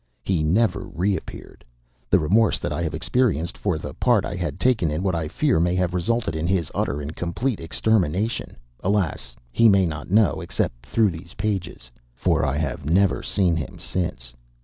He never reappeared. The remorse that I have experienced for the part I had taken in what I fear may have resulted in his utter and complete extermination, alas, he may not know, except through these pages. For I have never seen him since.